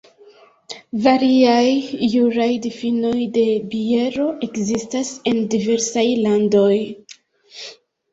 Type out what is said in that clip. Variaj juraj difinoj de biero ekzistas en diversaj landoj.